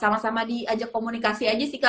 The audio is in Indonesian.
sama sama diajak komunikasi aja sih kak